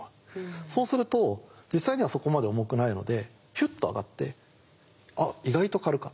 そうすると実際にはそこまで重くないのでヒュッと上がって「あっ意外と軽かった」。